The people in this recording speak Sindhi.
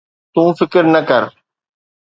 تون فڪر نه ڪر